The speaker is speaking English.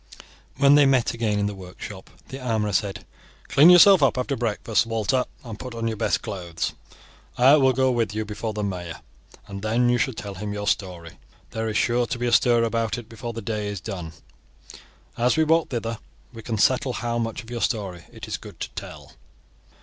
When they met again in the workshop the armourer said: "Clean yourself up after breakfast, Walter, and put on your best clothes. I will go with you before the mayor, and then you shall tell him your story. There is sure to be a stir about it before the day is done. As we walk thither we can settle how much of your story it is good to tell."